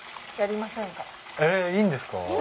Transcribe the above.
えっいいんですか？